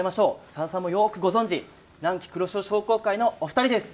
さださんもよくご存じ南紀くろしお商工会のお二人です。